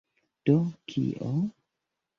Do kio?!